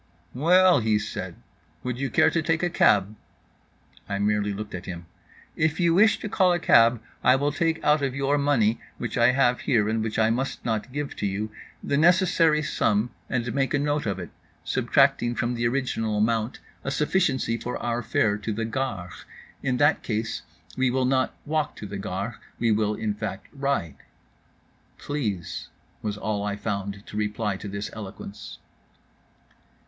"Well," he said, "would you care to take a cab?" I merely looked at him. "If you wish to call a cab, I will take out of your money, which I have here and which I must not give to you, the necessary sum, and make a note of it, subtracting from the original amount a sufficiency for our fare to the Gare. In that case we will not walk to the Gare, we will in fact ride." "Please," was all I found to reply to this eloquence.